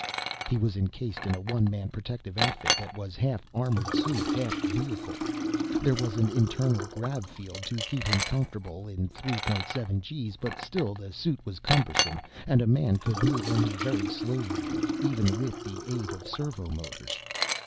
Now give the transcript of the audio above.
He was encased in a one man protective outfit that was half armored suit, half vehicle. There was an internal grav field to keep him comfortable in 3.7 gees, but still the suit was cumbersome, and a man could move only very slowly in it, even with the aid of servomotors.